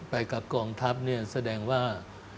ไปกับกองทัพแสดงว่า